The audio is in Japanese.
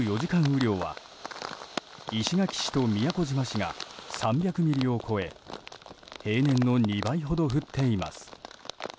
雨量は石垣市と宮古島市が３００ミリを超え平年の２倍ほど降っています。